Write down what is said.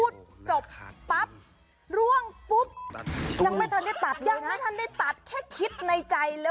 ดุ๊กตัด